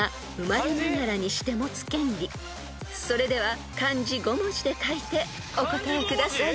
［それでは漢字５文字で書いてお答えください］